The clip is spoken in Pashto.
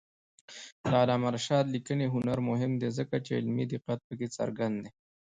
د علامه رشاد لیکنی هنر مهم دی ځکه چې علمي دقت پکې څرګند دی.